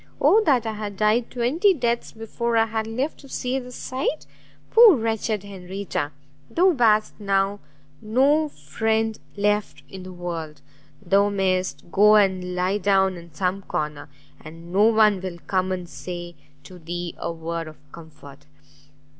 Oh that I had died twenty deaths before I had lived to see this sight! poor wretched Henrietta, thou bast now no friend left in the world! thou mayst go and lie down in some corner, and no one will come and say to thee a word of comfort!"